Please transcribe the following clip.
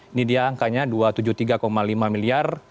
ini dia angkanya dua ratus tujuh puluh tiga lima miliar